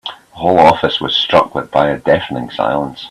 The whole office was struck by a deafening silence.